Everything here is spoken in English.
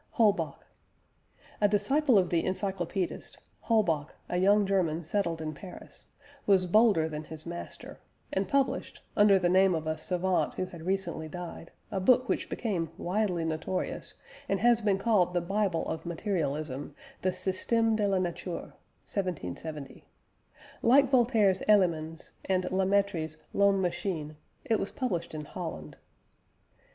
HOLBACH. A disciple of the Encyclopædist Holbach, a young German settled in Paris was bolder than his master, and published, under the name of a savant who had recently died, a book which became widely notorious, and has been called the Bible of materialism the Système de la Nature (1770). Like Voltaire's Élémens, and La Mettrie's L'Homme Machine, it was published in Holland.